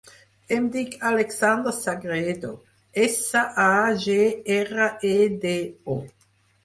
Em dic Alexander Sagredo: essa, a, ge, erra, e, de, o.